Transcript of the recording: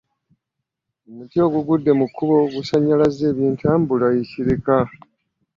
Omuti ogugudde mu kkubo gusannyalazza eby'entambula e Kireka